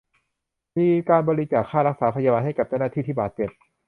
มีการบริจาคค่ารักษาพยาบาลให้กับเจ้าหน้าที่ที่บาดเจ็บ